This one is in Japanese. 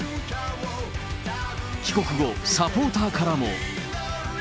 帰国後、サポーターからも。